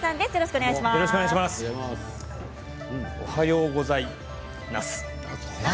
おはようございなす。